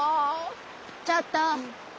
ちょっと！